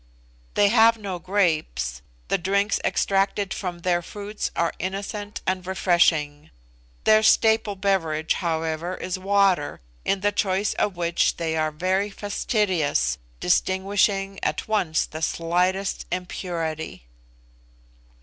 They have no grapes the drinks extracted from their fruits are innocent and refreshing. Their staple beverage, however, is water, in the choice of which they are very fastidious, distinguishing at once the slightest impurity.